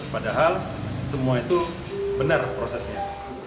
padahal semua itu benar prosesnya